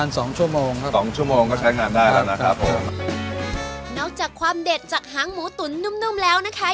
นอกจากความเด็ดจากหางหมูตุ๋นนุ่มแล้วนะคะ